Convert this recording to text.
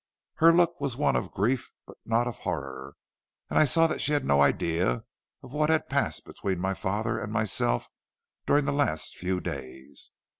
Her look was one of grief but not of horror, and I saw she had no idea of what had passed between my father and myself during the last few days.